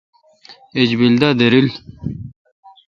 ایج بیل دا دریل۔